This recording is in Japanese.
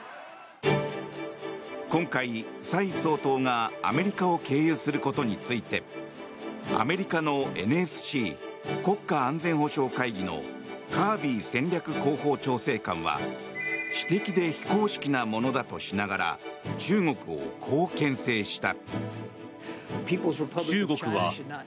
今回、蔡総統がアメリカを経由することについてアメリカのＮＳＣ・国家安全保障会議のカービー戦略広報調整官は私的で非公式なものだとしながら中国をこうけん制した。